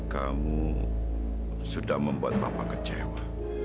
kamu sudah membuat bapak kecewa